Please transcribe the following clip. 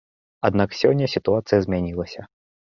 Аднак сёння сітуацыя змянілася.